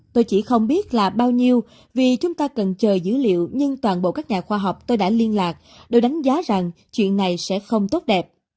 tôi chỉ không biết là bao nhiêu vì chúng ta cần chờ dữ liệu nhưng toàn bộ các nhà khoa học tôi đã liên lạc đều đánh giá rằng chuyện này sẽ không tốt đẹp